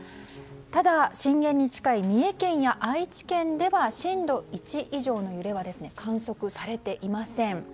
ただ、震源に近い三重県や愛知県では震度１以上の揺れは観測されていません。